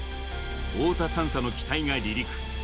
太田３佐の機体が離陸。